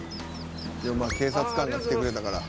でもまあ警察官が来てくれたから。